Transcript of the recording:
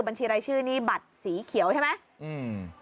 บัญชีรายชื่อนี่บัตรสีเขียวใช่ไหมอืม